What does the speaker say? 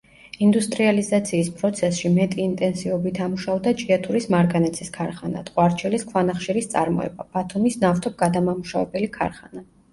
ინდუსტრიალიზაციის პროცესში მეტი ინტენსივობით ამუშავდა ჭიათურის მარგანეცის ქარხანა, ტყვარჩელის ქვანახშირის წარმოება, ბათუმის ნავთობგადამამუშავებელი ქარხანა.